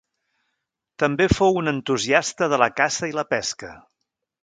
També fou un entusiasta de la caça i la pesca.